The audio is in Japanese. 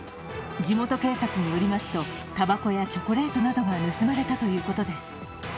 地元警察によりますと、たばこやチョコレートなどが盗まれたということです。